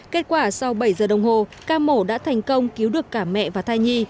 kết quả sau bảy giờ đồng hồ ca mổ đã thành công cứu được cả mẹ và thai nhi